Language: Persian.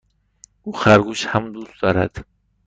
او خرگوش هم دوست دارد.